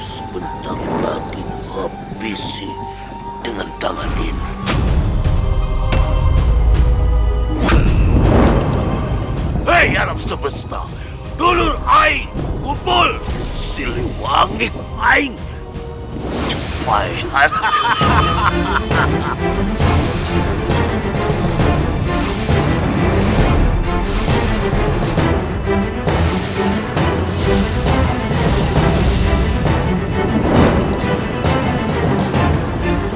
sebelum kau bisa menghilangkan aku dengan tangan ini